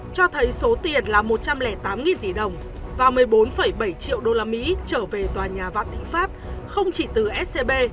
cho thấy số tiền là một trăm linh tám tỷ đồng và một mươi bốn bảy triệu usd trở về tòa nhà vạn thịnh pháp không chỉ từ scb